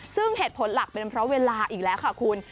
ซึ่งเหตุผลหลักเป็นเพราะเวลาอีกแล้วค่ะคุณ